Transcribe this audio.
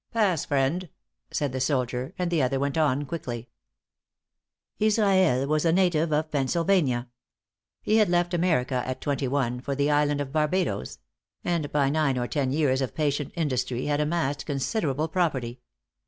"Pass, friend!" said the soldier; and the other went on quickly. Israel Israel was a native of Pennsylvania. He had left America at twenty one, for the island of Barbadoes; and by nine or ten years of patient industry had amassed considerable property.